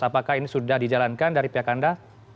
apakah ini sudah dijalankan dari pihak anda